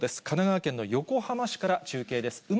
神奈川県の横浜市から中継です。